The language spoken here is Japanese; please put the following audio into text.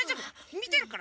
みてるから！